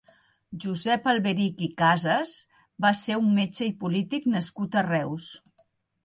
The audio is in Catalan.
Josep Alberic i Cases va ser un metge i polític nascut a Reus.